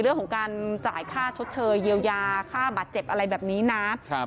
เรื่องของการจ่ายค่าชดเชยเยียวยาค่าบาดเจ็บอะไรแบบนี้นะครับ